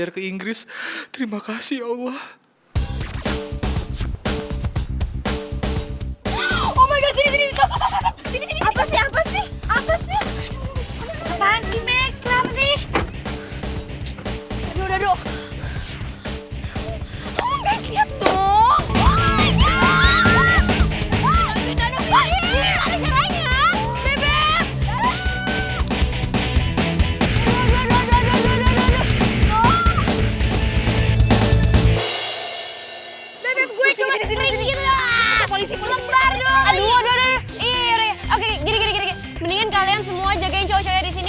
mendingan kalian semua jagain cowok cowoknya disini